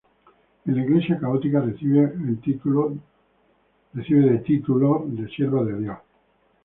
En la Iglesia católica recibe en título de sierva de Dios.